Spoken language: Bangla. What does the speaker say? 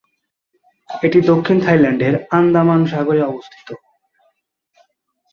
এটি দক্ষিণ থাইল্যান্ডের আন্দামান সাগরে অবস্থিত।